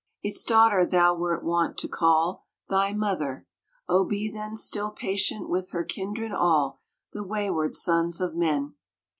" Its daughter thou wert wont to call Thy mother. Oh, be then Still patient with her kindred, all The wayward sons of men